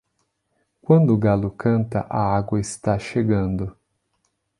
Quando o galo canta, a água está chegando.